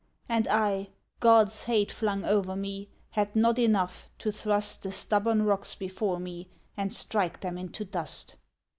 And I, God's hate flung o'er me, Had not enough, to thrust The stubborn rocks before me And strike them into dust